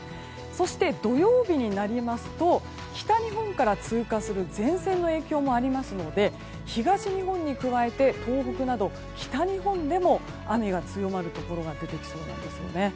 そして、土曜日になりますと北日本から通過する前線の影響もありますので東日本に加えて東北など北日本でも雨が強まるところが出てきそうなんですよね。